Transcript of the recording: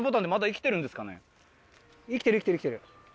生きてる生きてる生きてる。